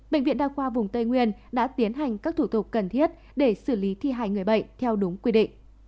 bệnh viện đa khoa vùng tây nguyên đã tiến hành các thủ tục cần thiết để xử lý thi hài người bệnh theo đúng quy định